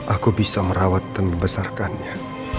aku bisa merawat dan membesarkannya